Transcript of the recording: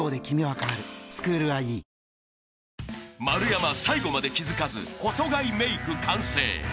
［丸山最後まで気付かず細貝メイク完成］